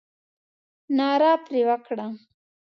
ناره پر وکړه.